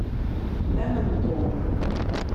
Amen Tom.